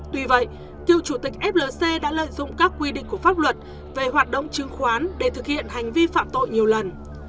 tuy vậy cựu chủ tịch flc đã lợi dụng các quy định của pháp luật về hoạt động chứng khoán để thực hiện hành vi phạm tội nhiều lần